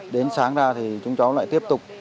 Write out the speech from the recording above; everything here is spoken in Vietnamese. đến sáng ra thì chúng cháu lại tiếp tục